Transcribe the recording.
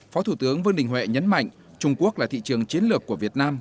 phó thủ tướng vương đình huệ nhấn mạnh trung quốc là thị trường chiến lược của việt nam